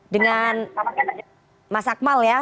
dengan mas akmal ya